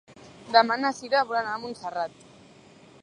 Demà na Cira vol anar a Montserrat.